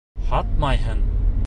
Һатмайһың.